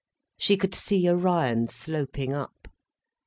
She could see Orion sloping up.